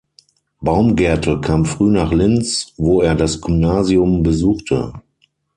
Baumgärtel kam früh nach Linz, wo er das Gymnasium besuchte.